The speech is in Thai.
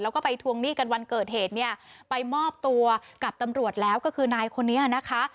แล้วก็ไปทวงหนี้กันวันเกิดเหตุเนี่ยไปมอบตัวกับตำรวจแล้วก็คือนายคนนี้นะคะ